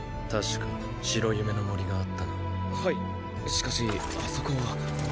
しかしあそこは。